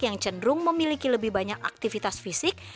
terkadang memiliki lebih banyak aktivitas fisik